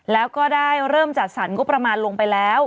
แล้วก็ได้เริ่มจัดสรรงบประมาณลงไปแล้ว